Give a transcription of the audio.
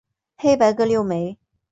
黑白各六枚。